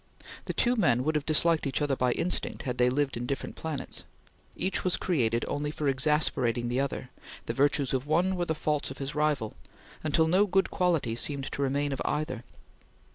The two men would have disliked each other by instinct had they lived in different planets. Each was created only for exasperating the other; the virtues of one were the faults of his rival, until no good quality seemed to remain of either.